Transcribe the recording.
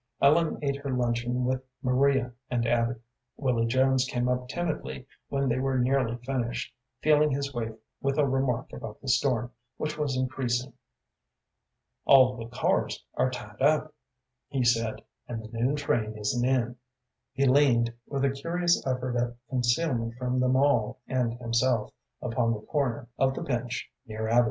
Ellen ate her luncheon with Maria and Abby. Willy Jones came up timidly when they were nearly finished, feeling his way with a remark about the storm, which was increasing. "All the cars are tied up," he said, "and the noon train isn't in." He leaned, with a curious effort at concealment from them all and himself, upon the corner of the bench near Abby.